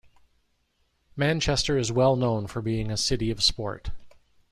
Manchester is well known for being a city of sport.